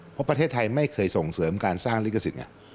เพราะประเทศไทยไม่เคยส่งเสริมการสร้างลิขสิทธิ์